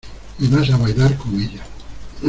y vas a bailar con ella.